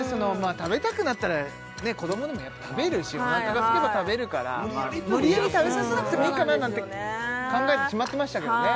食べたくなったら子供でもやっぱ食べるしおなかがすけば食べるから無理やり食べさせなくてもいいかななんて考えてしまってましたけどね